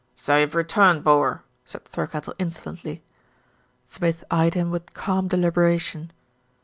"So you've returned, bor," said Thirkettle insolently. Smith eyed him with calm deliberation.